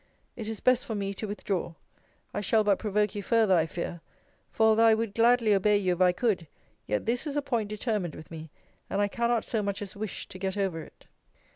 It is best for me to withdraw. I shall but provoke you farther, I fear: for although I would gladly obey you if I could, yet this is a point determined with me; and I cannot so much as wish to get over it.